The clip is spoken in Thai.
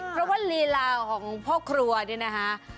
เพราะว่าลีลาของพ่อครัวเนี่ยนะคะ